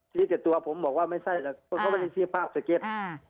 ชี้แต่ตัวผมบอกว่าไม่ใช่แต่คนเขาไม่ได้ชี้ภาพสเก็ตอ่า